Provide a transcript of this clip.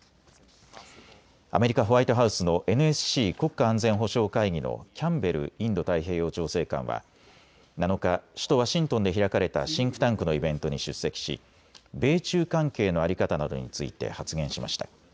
アメリカ・ホワイトハウスのＮＳＣ・国家安全保障会議のキャンベルインド太平洋調整官は７日、首都ワシントンで開かれたシンクタンクのイベントに出席し米中関係の在り方などについて発言しました。